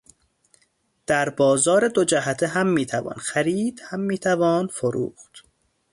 در بازار دو جهته هم میتوان خرید هم میتوان فروخت